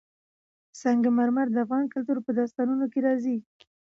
سنگ مرمر د افغان کلتور په داستانونو کې راځي.